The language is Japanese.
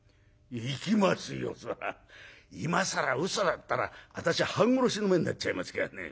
ったら私半殺しの目に遭っちゃいますからね。